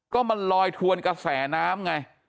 ก็มันลอยทวนกระแสน้ำไง